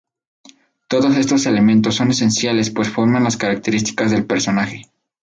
Todos estos elementos son esenciales pues forman las características del personaje.